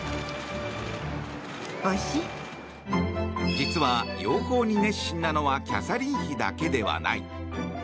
実は、養蜂に熱心なのはキャサリン妃だけではない。